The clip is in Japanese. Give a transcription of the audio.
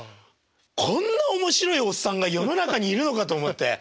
こんな面白いおっさんが世の中にいるのかと思って。